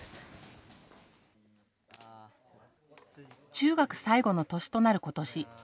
中学最後の年となる今年。